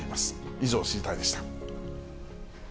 以上、知りたいッ！でした。